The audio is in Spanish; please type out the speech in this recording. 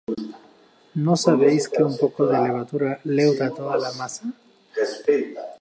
¿No sabéis que un poco de levadura leuda toda la masa?